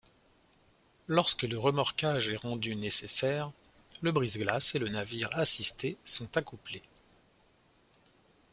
Lorsque le remorquage est rendu nécessaire, le brise-glace et le navire assisté sont accouplés.